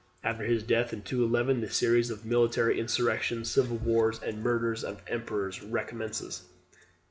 After his death in 211, the series of military insurrections, civil wars, and murders of emperors recommences.